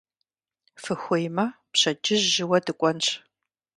Фыхуеймэ, пщэдджыжь жьыуэ дыкӀуэнщ.